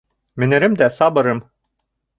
Менерем дә сабырым.